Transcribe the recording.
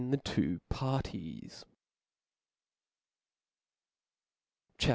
the two parties. CHAP.